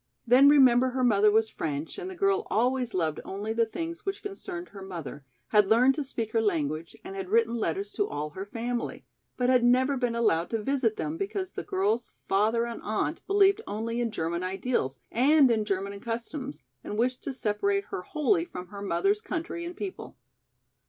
Then remember her mother was French and the girl always loved only the things which concerned her mother, had learned to speak her language and had written letters to all her family, but had never been allowed to visit them because the girl's father and aunt believed only in German ideals and in German customs and wished to separate her wholly from her mother's country and people.